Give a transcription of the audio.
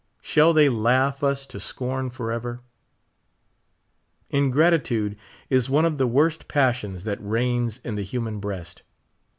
Shall they laugh us to scorn forever ? Ingratitude is one of the worst passions that reigns in the human breast.